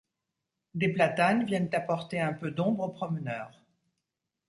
Des platanes viennent apporter un peu d'ombre aux promeneurs.